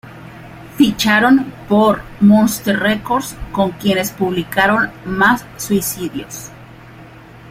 Ficharon por Munster Records con quienes publicaron "Más suicidios!!!